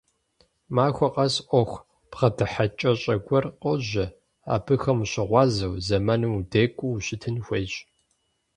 Махуэ къэс Ӏуэху бгъэдыхьэкӀэщӀэ гуэр къожьэ, абыхэм ущыгъуазэу, зэманым удекӀуу ущытын хуейщ.